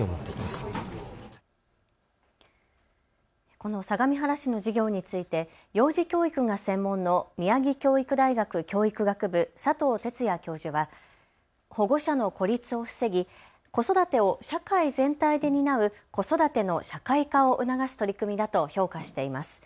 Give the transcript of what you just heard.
この相模原市の事業について幼児教育が専門の宮城教育大学教育学部、佐藤哲也教授は保護者の孤立を防ぎ、子育てを社会全体で担う子育ての社会化を促す取り組みだと評価しています。